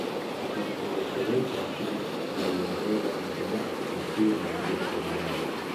بدون مذاکرهی کافی لایحه را با عجله از تصویب مجلس گذراندند.